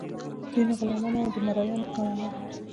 دوی نه غلامان وو او نه د مرئیانو خاوندان.